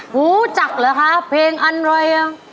รู้จักเหรอคะเพลงอะไรอ่ะ